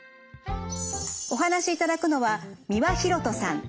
お話しいただくのは三輪洋人さん。